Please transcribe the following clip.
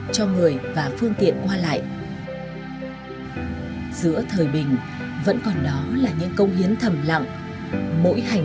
cho người và phương tiện qua lại giữa thời bình vẫn còn đó là những công hiến thầm lặng mỗi hành